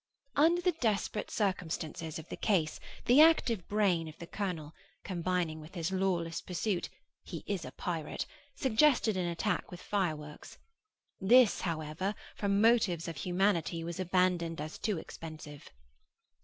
Under the desperate circumstances of the case, the active brain of the colonel, combining with his lawless pursuit (he is a pirate), suggested an attack with fireworks. This, however, from motives of humanity, was abandoned as too expensive.